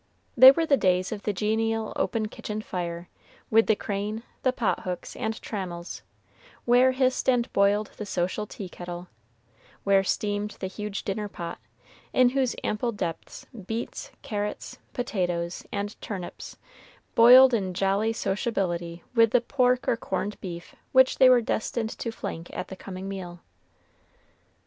They were the days of the genial open kitchen fire, with the crane, the pot hooks, and trammels, where hissed and boiled the social tea kettle, where steamed the huge dinner pot, in whose ample depths beets, carrots, potatoes, and turnips boiled in jolly sociability with the pork or corned beef which they were destined to flank at the coming meal.